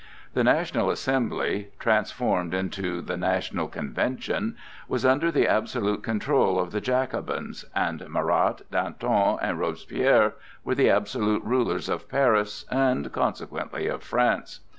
The National Assembly—transformed into the National Convention—was under the absolute control of the Jacobins, and Marat, Danton and Robespierre were the absolute rulers of Paris and consequently of France.